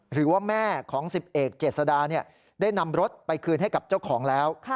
หรือว่าแม่ของ๑๐เอกเจษดาได้นำรถไปคืนให้กับเจ้าของแล้ว